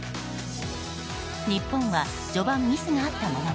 日本は序盤、ミスがあったものの